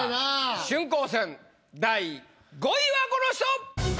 春光戦第５位はこの人！